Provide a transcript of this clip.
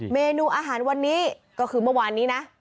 เมนูอาหารวันนี้ก็คือเมื่อวานนี้นะ